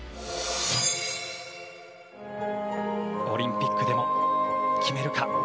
オリンピックでも決めるか。